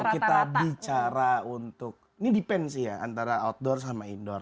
kalau kita bicara untuk ini defensi ya antara outdoor sama indoor